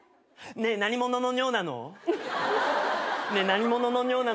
ねえ何者の尿なの？